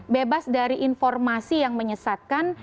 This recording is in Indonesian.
bebas dari informasi yang menyesatkan